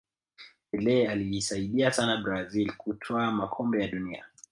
pele aliisaidia sana brazil kutwaa makombe ya dunia